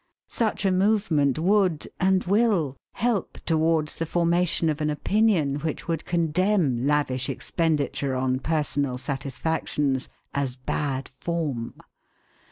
Such a movement would, and will, help towards the formation of an opinion which would condemn lavish expenditure on personal satisfactions as bad form.